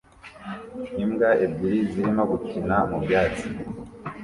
Imbwa ebyiri zirimo gukina mu byatsi